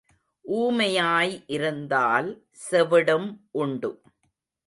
ஊமையாய் இருந்தால் செவிடும் உண்டு.